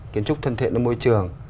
kiến trúc thân thiện ở môi trường